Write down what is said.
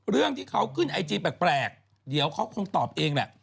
เรื่องที่เขาขึ้นไอจีแปลกเดี๋ยวเขาคงตอบเองแหละ